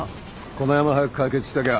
このヤマ早く解決したきゃ